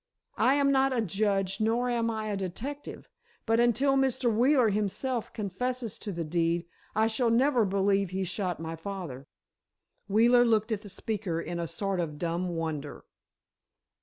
I am not a judge nor am I a detective, but until Mr. Wheeler himself confesses to the deed, I shall never believe he shot my father." Wheeler looked at the speaker in a sort of dumb wonder.